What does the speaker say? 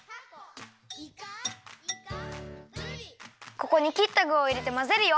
ここにきったぐをいれてまぜるよ。